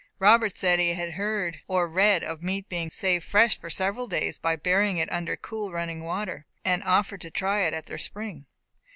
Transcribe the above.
Robert said he had heard or read of meat being saved fresh for several days by burying it under cool running water, and offered to try it at their spring.